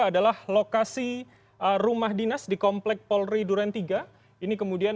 adalah lokasi rumah dinas di komplek polri duren tiga ini kemudian